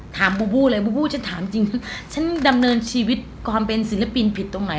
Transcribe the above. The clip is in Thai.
บูบูเลยบูบูฉันถามจริงฉันดำเนินชีวิตความเป็นศิลปินผิดตรงไหน